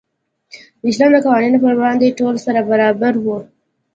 د اسلامي قوانینو په وړاندې ټول سره برابر وو.